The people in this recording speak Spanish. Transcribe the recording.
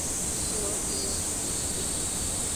Lord y Lady St.